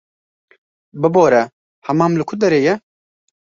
Bibore, hemam li ku derê ye?